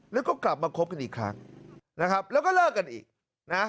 แล้วก็กลับมาคบกันอีกครั้งนะครับแล้วก็เลิกกันอีกนะ